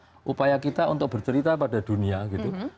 ya upaya kita untuk bercerita pada dunia gitu